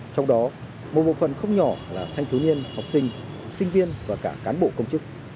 trong đó một bộ phần không nhỏ là thanh thiếu niên học sinh sinh viên và cả cán bộ công chức